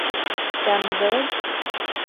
Down in the village?